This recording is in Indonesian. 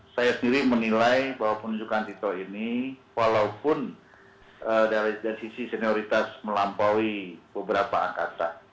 saya sendiri menilai bahwa penunjukan tito ini walaupun dari sisi senioritas melampaui beberapa angkatan